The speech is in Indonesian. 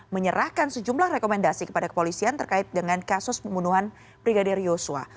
menyerahkan sejumlah rekomendasi kepada kepolisian terkait dengan kasus pembunuhan brigadir yosua